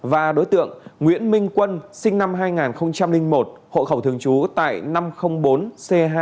và đối tượng nguyễn minh quân sinh năm hai nghìn một hộ khẩu thường trú tại năm trăm linh bốn c hai mươi